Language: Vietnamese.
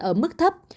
ở mức thấp